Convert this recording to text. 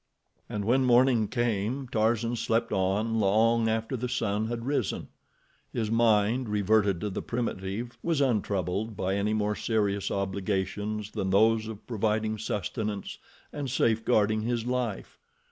And when morning came Tarzan slept on long after the sun had risen. His mind, reverted to the primitive, was untroubled by any more serious obligations than those of providing sustenance, and safeguarding his life.